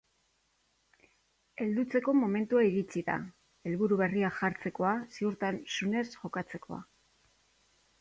Heldutzeko momentua iritsi da, helburu berriak jartzekoa, zihurtasunez jokatzekoa.